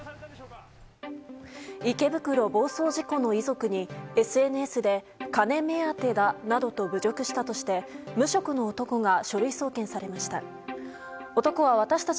池袋暴走事故の遺族にＳＮＳで金目当てだなどと侮辱したとして無職の男が書類送検されました。